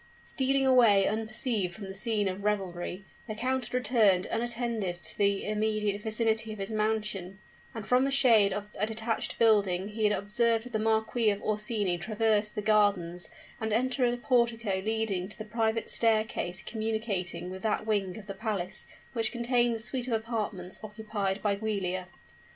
Stealing away unperceived from the scene of revelry, the count had returned unattended to the immediate vicinity of his mansion; and from the shade of a detached building he had observed the Marquis of Orsini traverse the gardens and enter a portico leading to the private staircase communicating with that wing of the palace which contained the suit of apartments occupied by Giulia.